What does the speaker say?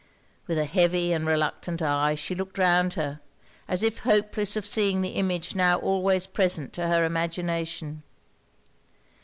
With an heavy and reluctant eye she looked round her, as if hopeless of seeing the image now always present to her imagination.